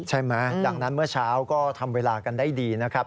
ใช่ไหมดังนั้นเมื่อเช้าก็ทำเวลากันได้ดีนะครับ